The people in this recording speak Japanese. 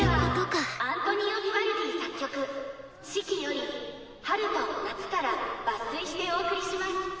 続いてはアントニオ・ヴィヴァルディ作曲「四季」より「春」と「夏」から抜粋してお送りします。